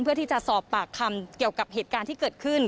เพื่อที่จะสอบปากคำเกี่ยวกับเหตุการณ์ที่เกิดขึ้น